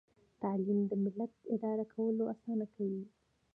تعلیم د ملت اداره کول اسانه کوي.